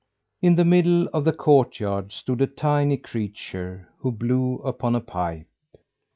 In the middle of the courtyard stood a tiny creature, who blew upon a pipe.